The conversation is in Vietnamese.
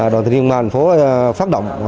đoàn thanh niên ma thành phố phát động